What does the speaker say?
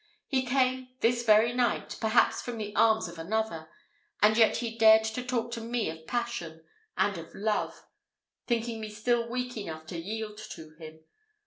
He came, this very night perhaps from the arms of another, and he yet dared to talk to me of passion and of love! thinking me still weak enough to yield to him.